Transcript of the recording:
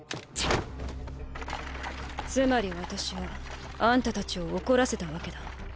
つまり私はあんたたちを怒らせたわけだ。